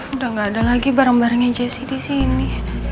udah gak ada lagi barang barangnya jessy disini